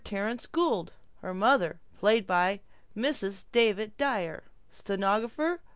Terence Gould Her mother ........ Mrs. David Dyer Stenographer